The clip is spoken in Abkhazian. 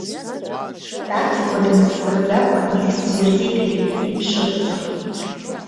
Даҭикәа дмыццакӡакәа иҩызцәа ирзеиҭеиҳәеит, иԥшыхәцәа.